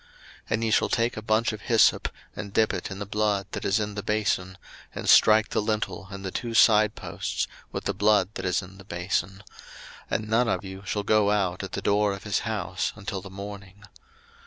02:012:022 And ye shall take a bunch of hyssop, and dip it in the blood that is in the bason, and strike the lintel and the two side posts with the blood that is in the bason; and none of you shall go out at the door of his house until the morning.